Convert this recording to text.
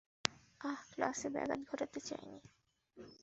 আহ, ক্লাসে ব্যাঘাত ঘটাতে চাইনি।